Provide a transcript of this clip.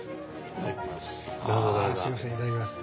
いただきます。